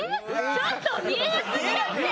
ちょっと見えなすぎだって！